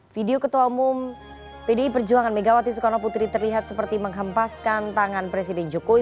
video ketua umum pdi perjuangan megawati soekarno putri terlihat seperti menghempaskan tangan presiden jokowi